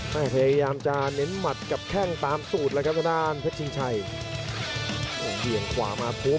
พยายามจะเน้นหมัดกับแข้งตามสูตรแล้วครับทางด้านเพชรชิงชัยเบี่ยงขวามาปุ๊บ